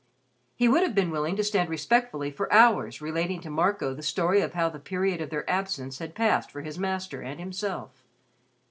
He would have been willing to stand respectfully for hours relating to Marco the story of how the period of their absence had passed for his Master and himself.